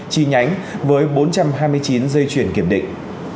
chi nhánh với bốn trăm hai mươi chín dây chuyển kiểm định